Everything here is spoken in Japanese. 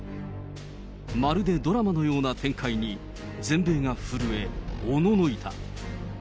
まるでドラマのような展開に、全米が震え、おののいた。